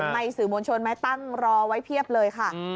สื่อมวลชนไหมตั้งรอไว้เพียบเลยค่ะ